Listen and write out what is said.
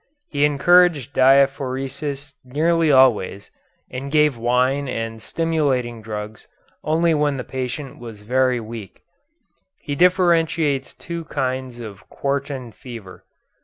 He encouraged diaphoresis nearly always, and gave wine and stimulating drugs only when the patient was very weak. He differentiates two kinds of quartan fever.